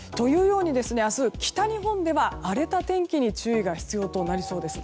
明日、北日本では荒れた天気に注意が必要となりそうです。